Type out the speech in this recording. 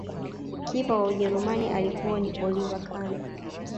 Kipa wa ujerumani alikuwa ni oliver Khan